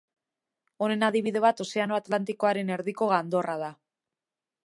Honen adibide bat ozeano Atlantikoaren erdiko gandorra da.